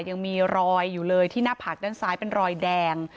ยังมีรอยอยู่เลยที่หน้าผากด้านซ้ายเป็นรอยแดง